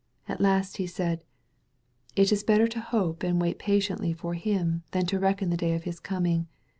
At last he saidr "'It is better to hope and to wait patiently for Him than to reckon the day of His coming.